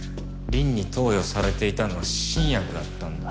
鈴に投与されていたのは新薬だったんだ。